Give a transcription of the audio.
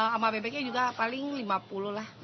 sama bebeknya juga paling lima puluh lah